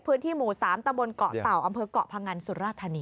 พื้นที่หมู่๓ตะบนเกาะเต่าอำเภอกเกาะพงันสุราธานี